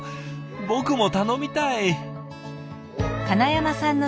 僕も頼みたい。